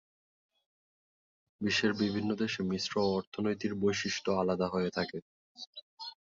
বিশ্বের বিভিন্ন দেশে মিশ্র অর্থনীতির বৈশিষ্ট্য আলাদা হয়ে থাকে।